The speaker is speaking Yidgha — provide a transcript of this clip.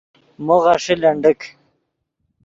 مو غیݰے لنڈیک